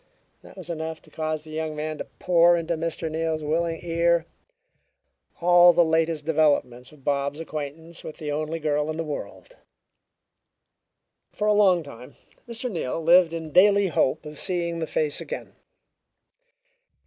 That was enough to cause the young man to pour into Mr. Neal's willing ear all the latest developments of Bob's acquaintance with the only girl in the world. For a long time Mr. Neal lived in daily hope of seeing the face again.